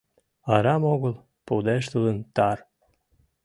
Арам огыл пудештылын тар